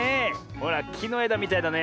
ほらきのえだみたいだねえ。